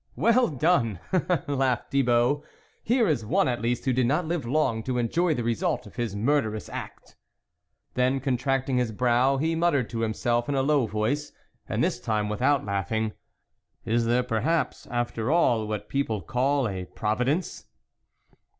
" Well done !" laughed Thibault, " here is one at least who did not live long to enjoy the result of his murderous act." THE WOLF LEADER 95 Then, contracting his brow, he muttered to himself, in a low voice, and this time without laughing :" Is there perhaps, after all, what people call a Providence